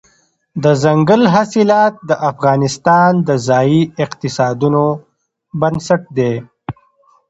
دځنګل حاصلات د افغانستان د ځایي اقتصادونو بنسټ دی.